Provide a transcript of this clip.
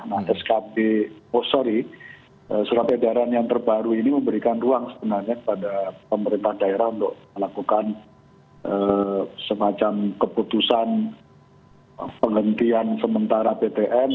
nah skb oh sorry surat edaran yang terbaru ini memberikan ruang sebenarnya kepada pemerintah daerah untuk melakukan semacam keputusan penghentian sementara ptm